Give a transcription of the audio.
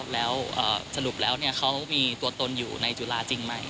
แล้วสรุปแล้วเขามีตัวตนอยู่ในจุฬาจริงไหม